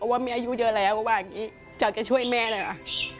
ว่าไม่อายุเยอะแล้วก็จะกันช่วยแม่เลย